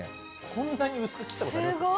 こんなに薄く切ったことありますか？